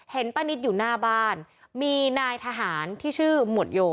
ป้านิตอยู่หน้าบ้านมีนายทหารที่ชื่อหมวดโย